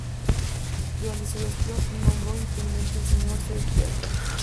Durante su gestión nombró intendente al Sr. Servio Tulio Ciara.